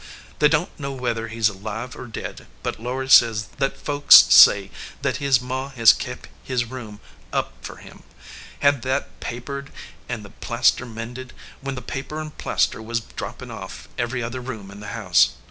They don t know whether he s alive or dead, but Laury says that folks say that his ma has kep his room up for him had that papered and the plaster mended when the paper an plaster was droppin off every other room in the house.